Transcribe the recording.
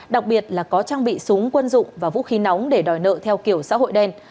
đặc biệt là có trang bị súng quân dụng và vũ khí nóng để đòi nợ theo kiểu xã hội đen